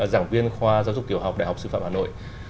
giảng viên khoa giáo dục tiểu học đại học sư phạm hà nội